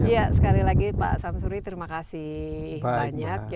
ya sekali lagi pak samsuri terima kasih banyak